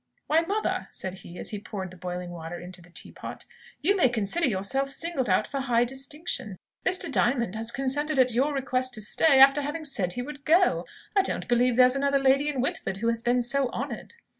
"Why, mother," said he, as he poured the boiling water into the tea pot, "you may consider yourself singled out for high distinction. Mr. Diamond has consented at your request to stay after having said he would go! I don't believe there's another lady in Whitford who has been so honoured."